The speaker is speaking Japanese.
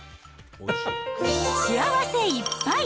幸せいっぱい！